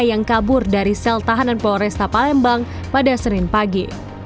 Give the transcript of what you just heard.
yang kabur dari sel tahanan polresta palembang pada senin pagi